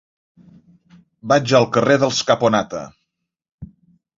Vaig al carrer dels Caponata.